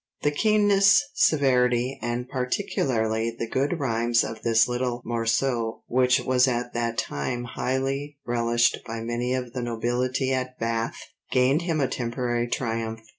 "The keenness, severity, and particularly the good rhymes of this little morceau which was at that time highly relished by many of the nobility at Bath, gained him a temporary triumph.